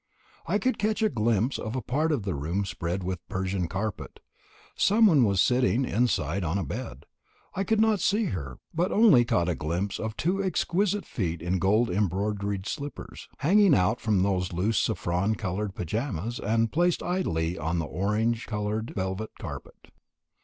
I could catch a glimpse of a part of the room spread with a Persian carpet some one was sitting inside on a bed I could not see her, but only caught a glimpse of two exquisite feet in gold embroidered slippers, hanging out from loose saffron coloured paijamas and placed idly on the orange coloured velvet carpet.